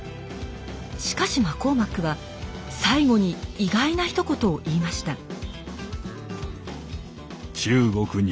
しかしマコーマックは最後に意外なひと言を言いました。